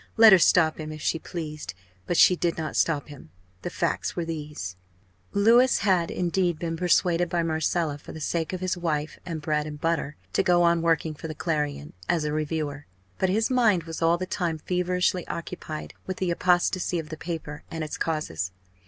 Let her stop him, if she pleased! but she did not stop him. The facts were these: Louis had, indeed, been persuaded by Marcella, for the sake of his wife and bread and butter, to go on working for the Clarion, as a reviewer. But his mind was all the time feverishly occupied with the apostasy of the paper and its causes.